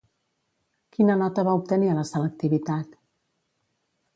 Quina nota va obtenir a la selectivitat?